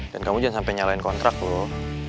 dan kamu jangan sampai nyalain kontrak loh